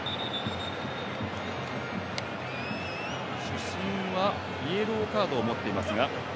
主審はイエローカードを持っていますが。